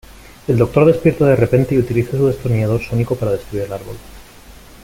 El Doctor despierta de repente y utiliza su destornillador sónico para destruir el árbol.